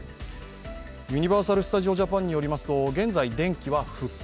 ユニバーサル・スタジオ・ジャパンによりますと、現在、電気は復旧。